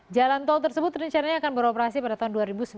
jalan tol tersebut rencananya akan beroperasi pada tahun dua ribu sembilan belas